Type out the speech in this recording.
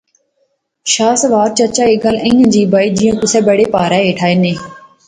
شاہ سوار چچا ایہہ گل ایہھاں جئے بائی جیاں کُسے بڑے پہارے ہیٹھ آیا ناں